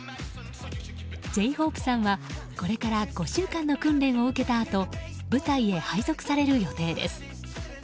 Ｊ‐ＨＯＰＥさんは、これから５週間の訓練を受けたあと部隊へ配属される予定です。